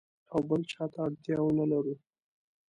او بل چاته اړتیا ونه لرو.